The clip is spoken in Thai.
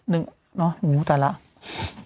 ๑เนอะโอ้โฮตายแล้ว